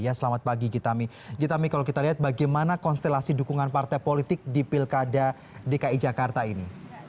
ya selamat pagi gitami gitami kalau kita lihat bagaimana konstelasi dukungan partai politik di pilkada dki jakarta ini